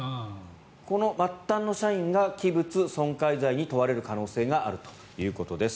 この末端の社員が器物損壊罪に問われる可能性があるということです。